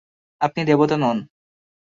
আপনি দেবতা নন।